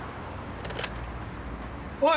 おい！